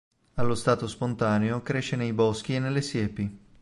Allo stato spontaneo cresce nei boschi e nelle siepi.